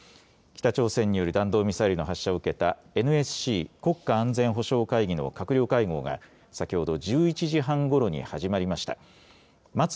北朝鮮による弾道ミサイルの発射を受けたＮＳＣ・国家安全保障会議の閣僚会合が先ほど１１時半ごろに始まりました。